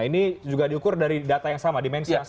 ini juga diukur dari data yang sama dimensi yang sama